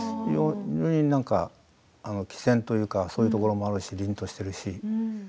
なんか、きぜんというかそういうところもあるしりんとしているし。